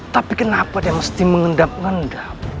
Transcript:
tapi kenapa dia mesti mengendam endam